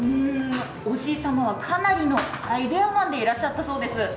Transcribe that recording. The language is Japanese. おじいさまはかなりのアイデアマンでいらっしゃったそうです。